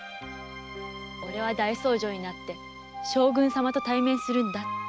俺は大僧正になって将軍様と対面するんだって。